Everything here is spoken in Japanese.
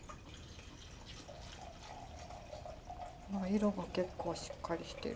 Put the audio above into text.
色が結構しっかりしてる。